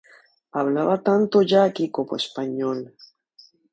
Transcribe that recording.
Hablaba tanto yaqui como español.